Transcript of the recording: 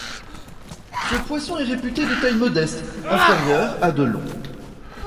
Ce poisson est réputé de taille modeste, inférieure à de long.